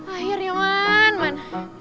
akhirnya man man